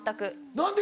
何で？